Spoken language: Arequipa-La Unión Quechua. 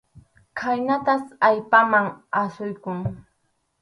Khaynatas allpaman asuykun.